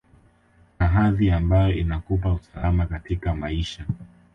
na hadhi ambayo inakupa usalama katika maisha